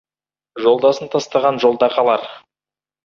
Жолдасын тастаған жолда қалар.